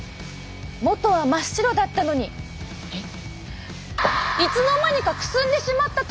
もとは真っ白だったのにいつの間にかくすんでしまったタオル！